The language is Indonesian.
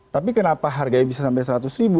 tapi kenapa harganya bisa sampai seratus ribu